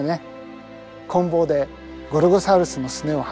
こん棒でゴルゴサウルスのすねを破壊するズール。